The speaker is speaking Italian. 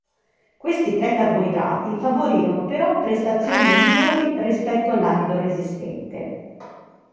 Questi tre carboidrati favorirono però prestazioni migliori rispetto all'amido resistente.